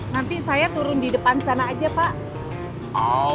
nanti saya turun di depan sana aja pak